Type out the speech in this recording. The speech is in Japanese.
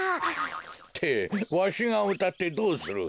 ってわしがうたってどうする。